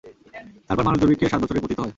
তারপর মানুষ দুর্ভিক্ষের সাত বছরে পতিত হয়।